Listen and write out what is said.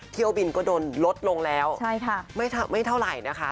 เที่ยวบินก็โดนลดลงแล้วไม่เท่าไหร่นะคะ